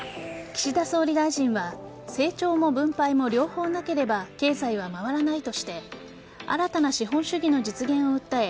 岸田総理大臣は成長も分配も両方なければ経済は回らないとして新たな資本主義の実現を訴え